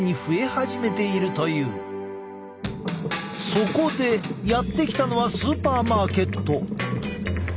そこでやって来たのはスーパーマーケット。